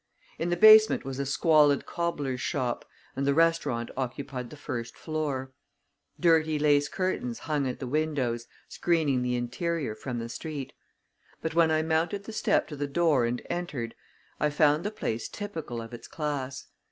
In the basement was a squalid cobbler's shop, and the restaurant occupied the first floor. Dirty lace curtains hung at the windows, screening the interior from the street; but when I mounted the step to the door and entered, I found the place typical of its class.